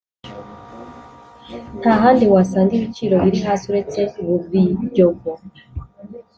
Ntahandi wasanga ibiciro biri hasi uretse bubiryogo